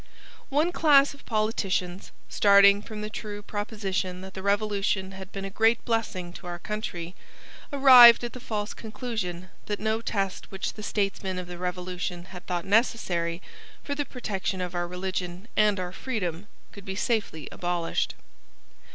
One class of politicians, starting from the true proposition that the Revolution had been a great blessing to our country, arrived at the false conclusion that no test which the statesmen of the Revolution had thought necessary for the protection of our religion and our freedom could be safely abolished.